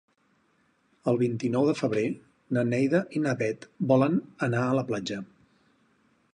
El vint-i-nou de febrer na Neida i na Bet volen anar a la platja.